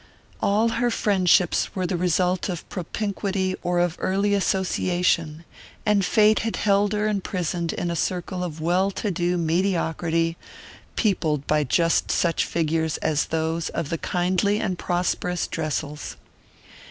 All her friendships were the result of propinquity or of early association, and fate had held her imprisoned in a circle of well to do mediocrity, peopled by just such figures as those of the kindly and prosperous Dressels.